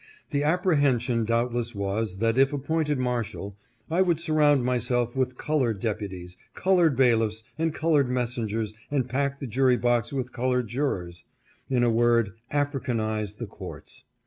The apprehension doubtless was, that if appointed mar shal, I would surround myself with colored deputies, colored bailiffs and colored messengers and pack the jury box with colored jurors ; in a word, Africanize the courts.